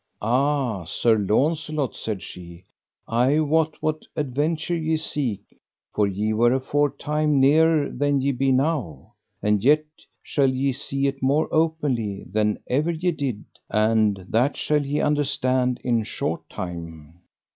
Ah, Sir Launcelot, said she, I wot what adventure ye seek, for ye were afore time nearer than ye be now, and yet shall ye see it more openly than ever ye did, and that shall ye understand in short time.